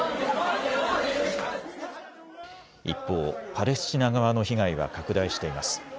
一方、パレスチナ側の被害は拡大しています。